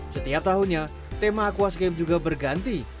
setiap tahunnya tema aquascape juga berganti